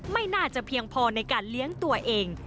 ไม่น่าจะเพียงพอในการเลี้ยงตัวเอง